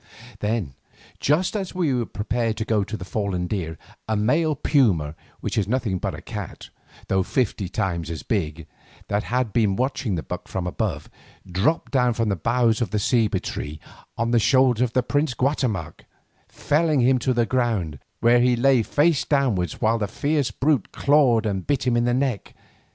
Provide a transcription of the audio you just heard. Then, just as we prepared to go to the fallen deer, a male puma, which is nothing but a cat, though fifty times as big, that had been watching the buck from above, dropped down from the boughs of the ceiba tree full on to the shoulders of the prince Guatemoc, felling him to the ground, where he lay face downwards while the fierce brute clawed and bit at his back.